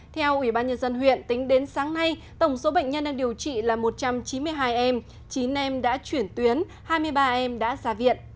theo ủy ban nhân dân huyện tính đến sáng nay tổng số bệnh nhân đang điều trị là một trăm chín mươi hai em chín em đã chuyển tuyến hai mươi ba em đã ra viện